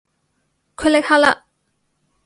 虢礫緙嘞